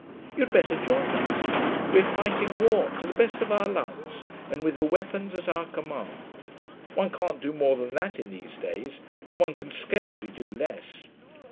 You'd better join us. We're fighting war, to the best of our lights, and with the weapons at our command. One can't do more than that in these days, and one can scarcely do less.